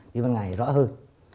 đi ban ngày rõ hơn